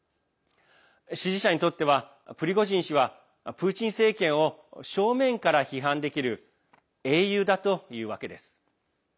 支持者にとってはプリゴジン氏はプーチン政権を正面から批判できる英雄だというわけです。